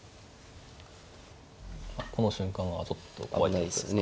この瞬間はちょっと怖いってことですか。